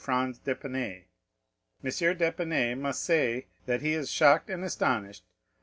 Franz d'Épinay. M. d'Épinay must say that he is shocked and astonished that M.